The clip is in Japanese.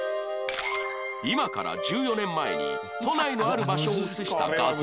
今から１４年前に都内のある場所を写した画像